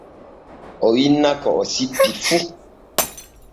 O winna ko o sippi fu.